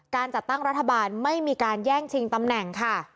การจัดตั้งรัฐบาลไม่มีการแย่งชิงตำแหน่งค่ะ